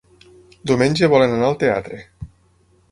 Diumenge volen anar al teatre.